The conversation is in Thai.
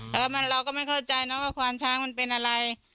แต่ว่าเราก็ไม่เข้าใจนะว่าควานช้างมันเป็นอะไร